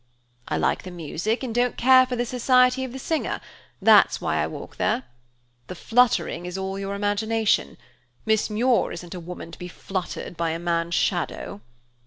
"I like the music and don't care for the society of the singer, that's why I walk there. The fluttering is all your imagination; Miss Muir isn't a woman to be fluttered by a man's shadow."